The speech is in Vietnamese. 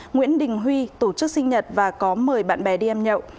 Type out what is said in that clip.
nguyễn đình huy tổ chức sinh nhật và có mời bạn bè đi ăn nhậu